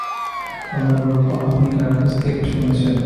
আমার গল্প আপনি কার কাছ থেকে শুনেছেন?